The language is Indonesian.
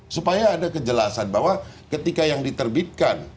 supaya ada kejelasan bahwa ketika yang diterbitkan